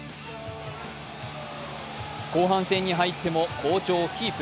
後半戦に入っても好調をキープ。